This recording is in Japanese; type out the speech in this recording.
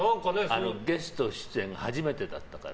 ゲスト出演、初めてだったから。